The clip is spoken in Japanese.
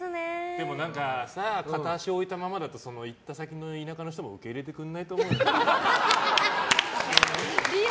でもさ、片足を置いたままだと行った先の田舎の人も受け入れてくれないと思うよ。